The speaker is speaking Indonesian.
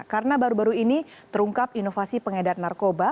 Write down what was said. karena baru baru ini terungkap inovasi pengedat narkoba